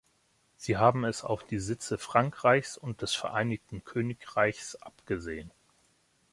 Sie haben es auf die Sitze Frankreichs und des Vereinigten Königreichs abgesehen.